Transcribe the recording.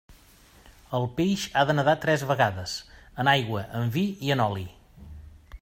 El peix ha de nadar tres vegades: en aigua, en vi i en oli.